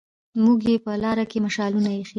موږ يې په لار کې مشالونه ايښي